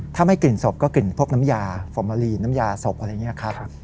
ถ้าไม่กลิ่นศพก็กลิ่นพวกน้ำยาฟอร์มาลีนน้ำยาศพอะไรอย่างนี้ครับ